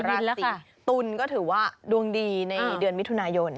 ราศีตุลก็ถือว่าดวงดีในเดือนมิถุนายน